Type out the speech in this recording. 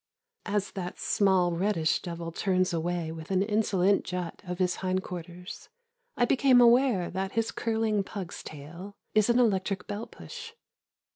As that small reddish devil turns away with an insolent jut of his hind quarters, I became aware that his curling pug's tail is an electric bell push.